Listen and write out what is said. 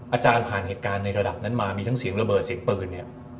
อาจารย์ผ่านเหตุการณ์ในระดับนั้นมามีทั้งเสียงระเบิดเสียงปืนเนี่ย